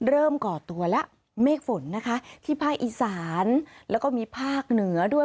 ก่อตัวแล้วเมฆฝนนะคะที่ภาคอีสานแล้วก็มีภาคเหนือด้วย